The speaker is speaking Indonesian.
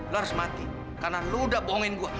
lo harus mati karena lu udah bohongin gue